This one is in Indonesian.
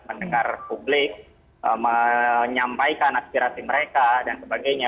mendengar publik menyampaikan aspirasi mereka dan sebagainya